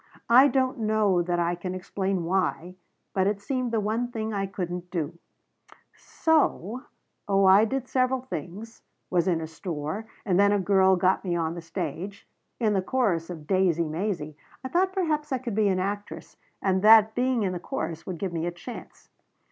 I don't know that I can explain why but it seemed the one thing I couldn't do, so oh I did several things was in a store and then a girl got me on the stage in the chorus of 'Daisey Maisey.' I thought perhaps I could be an actress, and that being in the chorus would give me a chance."